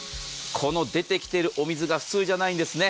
この出てきているお水が普通じゃないんです。